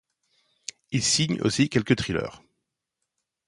Il signe aussi quelques thrillers.